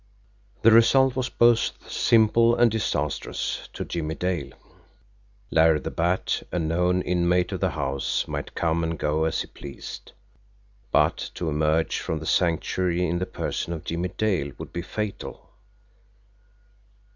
The result was both simple and disastrous to Jimmie Dale. Larry the Bat, a known inmate of the house, might come and go as he pleased but to emerge from the Sanctuary in the person of Jimmie Dale would be fatal.